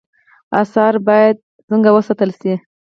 آثار باید څنګه وساتل شي؟